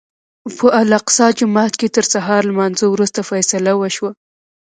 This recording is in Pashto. په الاقصی جومات کې تر سهار لمانځه وروسته فیصله وشوه.